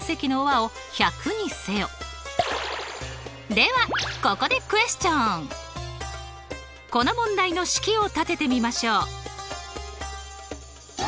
ではここでこの問題の式を立ててみましょう。